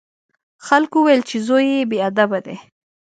خلکو وویل چې زوی یې بې ادبه دی.